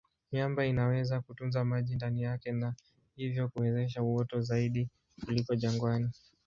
Miamba inaweza kutunza maji ndani yake na hivyo kuwezesha uoto zaidi kuliko jangwani.